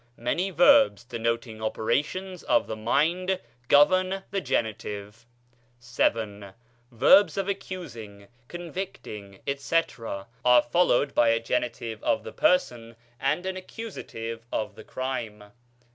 Many verbs denoting operations of the mind govern the genitive. VII. Verbs of accusing, convicting, efc., are followed by a genitive of the person and an accusative of the crime.